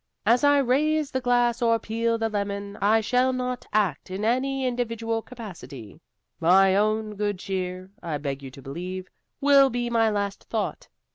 As I raise the glass or peel the lemon, I shall not act in any individual capacity. My own good cheer (I beg you to believe) will be my last thought.